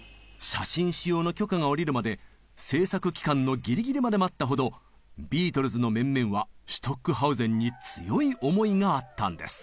写真使用の許可が下りるまで制作期間のギリギリまで待ったほどビートルズの面々はシュトックハウゼンに強い思いがあったんです。